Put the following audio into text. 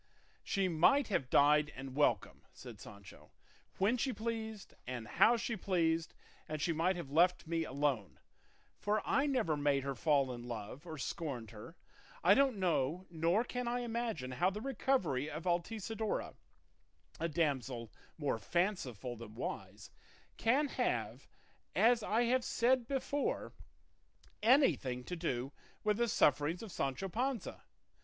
"She might have died and welcome," said Sancho, "when she pleased and how she pleased; and she might have left me alone, for I never made her fall in love or scorned her. I don't know nor can I imagine how the recovery of Altisidora, a damsel more fanciful than wise, can have, as I have said before, anything to do with the sufferings of Sancho Panza.